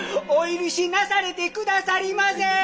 お許しなされてくださりませ。